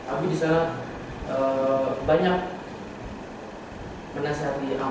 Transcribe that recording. abie disana banyak menasihati amr